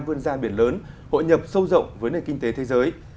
vươn ra biển lớn hội nhập sâu rộng với nền kinh tế thế giới